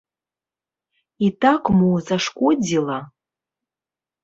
І так мо зашкодзіла?